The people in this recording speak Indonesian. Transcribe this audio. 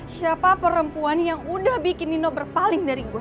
siapa perempuan yang udah bikin nino berpaling dari gue